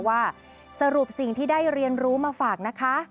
ว่าสรุปสิ่งที่ได้เรียนรู้มาฝากนะคะ